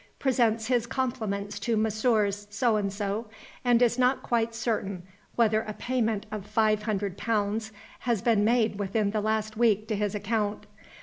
presents his compliments to Messrs. So and So, and is not quite certain whether a payment of five hundred pounds has been made within the last week to his account.